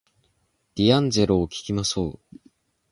ディアンジェロを聞きましょう